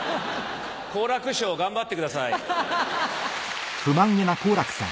好楽師匠頑張ってください。